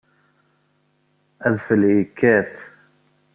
Adfel yekkat.